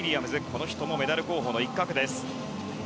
この人もメダル候補の一角です。